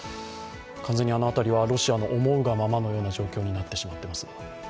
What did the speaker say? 完全にあの辺りはロシアの思うがままのような状況になってしまっています。